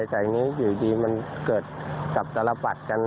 แต่อย่างนี้อยู่ดีมันเกิดกับสารปัดกัน